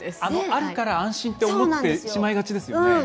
あるから、安心って思ってしまいがちですよね。